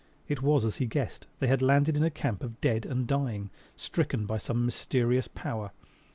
It was as he guessed: they had landed in a camp of dead and dying; stricken by some mysterious power.